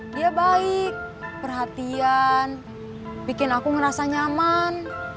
dia baik perhatian bikin aku merasa nyaman